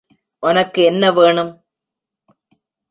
ஒனக்கு என்ன வேணும்?